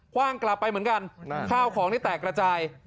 ว่างกลับไปเหมือนกันข้าวของนี่แตกระจาย